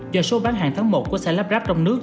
do số bán hàng tháng một của xe lắp ráp trong nước